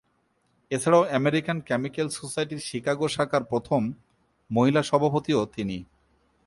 এছাড়াও American chemical সোসাইটির Chicago শাখার প্রথম মহিলা সভাপতিও তিনি।